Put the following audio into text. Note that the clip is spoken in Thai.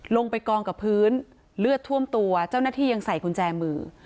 ลงไปกองกับพื้นเลือดท่วมตัวเจ้าหน้าที่ยังใส่กุญแจมือ